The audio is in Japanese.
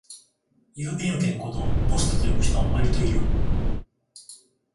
郵便受けのことをポストと呼ぶ人はわりといる